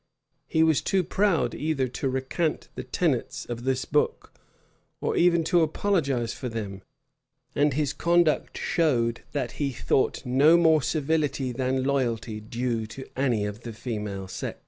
He was too proud either to recant the tenets of this book, or even to apologize for them; and his conduct showed that he thought no more civility than loyalty due to any of the female sex.